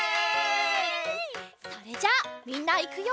それじゃあみんないくよ！